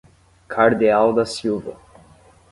Cardeal da Silva